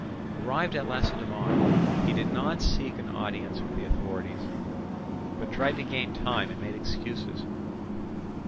Arrived at Lacedaemon he did not seek an audience with the authorities, but tried to gain time and made excuses.